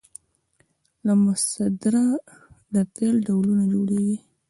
له مصدره د فعل ډولونه جوړیږي.